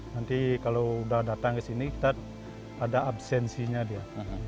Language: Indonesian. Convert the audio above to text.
nanti kalau sudah datang ke sini kita ada absensinya dia